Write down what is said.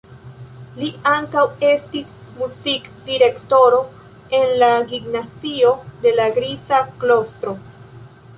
Li ankaŭ estis muzik-direktoro en la gimnazio de la "Griza Klostro".